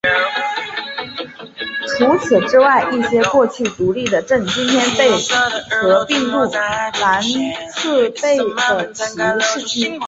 除此之外一些过去独立的镇今天被合并入兰茨贝格成为其市区。